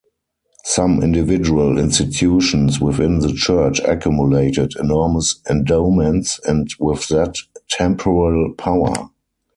Some individual institutions within the church accumulated enormous endowments and with that temporal power.